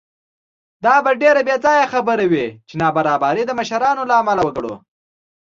دا به ډېره بېځایه خبره وي چې نابرابري د مشرانو له امله وګڼو.